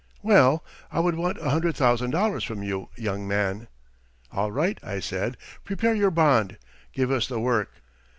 "Well, I would want a hundred thousand dollars from you, young man." "All right," I said, "prepare your bond. Give us the work.